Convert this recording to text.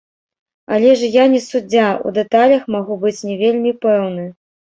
Але ж я не суддзя, у дэталях магу быць не вельмі пэўны.